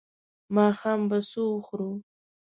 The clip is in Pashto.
ماښام به څه وخورو؟